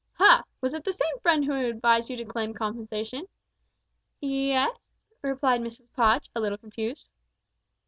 "Ha! was it the same friend who advised you to claim compensation?" "Ye es!" replied Mrs Podge, a little confused.